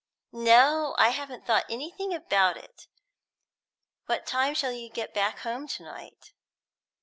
"No; I haven't thought anything about it. What time shall you get back home to night?"